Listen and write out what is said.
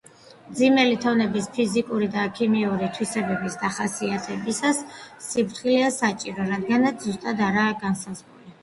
მძიმე ლითონების ფიზიკური და ქიმიური თვისებების დახასიათებისას სიფრთხილეა საჭირო, რადგანაც ზუსტად არაა განსაზღვრული.